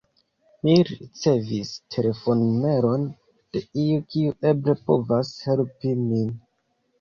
Mi ricevis telefonnumeron de iu, kiu eble povas helpi min.